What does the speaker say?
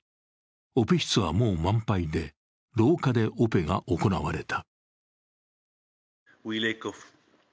オペ室はもう満杯で、廊下でオペが行われた。